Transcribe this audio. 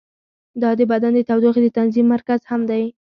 دا د بدن د تودوخې د تنظیم مرکز هم دی.